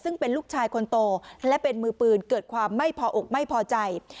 ซึ่งเป็นลูกชายคนโตและเป็นมือปืนเกิดความไม่พออกไม่พอใจ